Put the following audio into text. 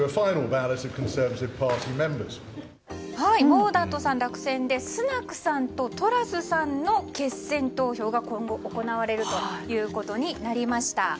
モーダントさんが落選してスナクさんとトラスさんの決選投票が今後行われるということになりました。